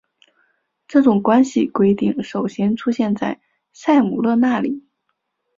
这种关系规定首先出现在塞姆勒那里。